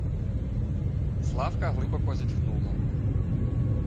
Славка глибоко зітхнула: